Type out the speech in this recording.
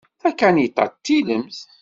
Takaniṭ-a d tilemt.